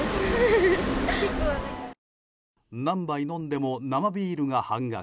何杯飲んでも生ビールが半額。